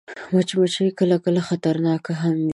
مچمچۍ کله کله خطرناکه هم وي